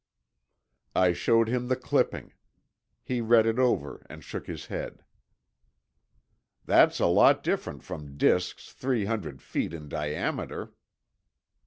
I showed him the clipping. He read it over and shook his head. "That's a lot different from disks three hundred feet in diameter."